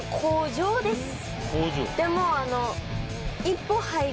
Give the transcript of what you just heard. でも。